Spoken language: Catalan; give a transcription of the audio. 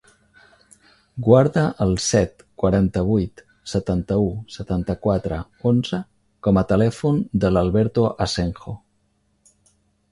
Guarda el set, quaranta-vuit, setanta-u, setanta-quatre, onze com a telèfon de l'Alberto Asenjo.